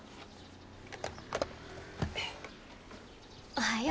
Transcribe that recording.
おはよう。